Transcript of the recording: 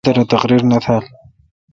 صدر اے° تقریر نہ تھال۔